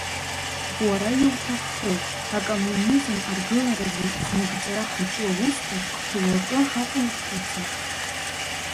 Уара иуҭаххеит, акоммунизм аргыларазы знагӡара ҳаҿу аусқәа руакы ҳаҟәухрацы!